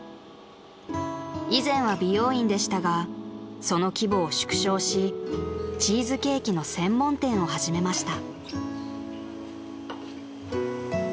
［以前は美容院でしたがその規模を縮小しチーズケーキの専門店を始めました］